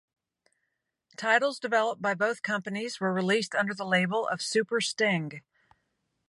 Titles developed by both companies were released under the label of Super Sting.